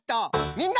みんな！